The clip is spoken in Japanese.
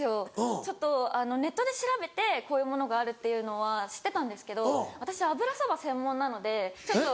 ちょっとネットで調べてこういうものがあるっていうのは知ってたんですけど私油そば専門なので。